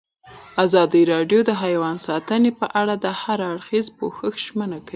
ازادي راډیو د حیوان ساتنه په اړه د هر اړخیز پوښښ ژمنه کړې.